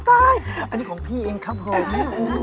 พายนี่ของพี่เองครับผมเป็นไรนะ